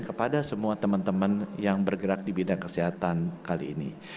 kepada semua teman teman yang bergerak di bidang kesehatan kali ini